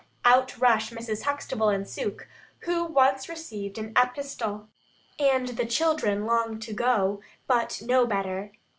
Out rush Mrs. Huxtable and Suke (who once received an epistle), and the children long to go, but know better.